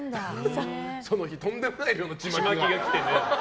その日とんでもない量のちまきが。